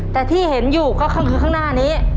แต่ที่เห็นอยู่ก็คือข้างหน้านี้